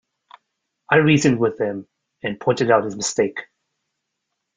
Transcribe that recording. I reasoned with him, and pointed out his mistake.